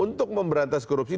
untuk memberantas korupsi